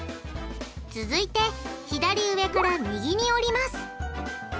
続いて左上から右に折ります。